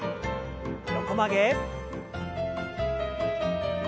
横曲げ。